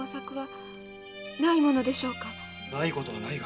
ないことはないが。